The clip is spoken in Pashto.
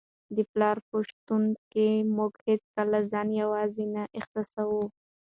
د پلار په شتون کي موږ هیڅکله ځان یوازې نه احساسوو.